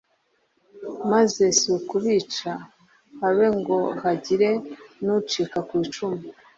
maze si ukubica habe ngo hagire n'ucika ku icumu